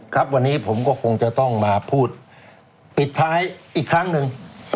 ครับวันนี้ผมก็คงจะต้องมาพูดปิดท้ายอีกครั้งหนึ่ง